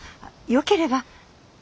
よければ。